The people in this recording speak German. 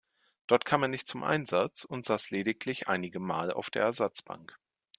Dort kam er nicht zum Einsatz und saß lediglich einige Mal auf der Ersatzbank.